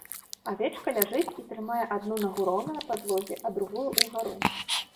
Авечка ляжыць і трымае адну нагу роўна на падлозе, а другую ўгару.